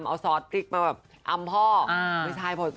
เอาซอสปริ๊กมาแบบอำพ่อ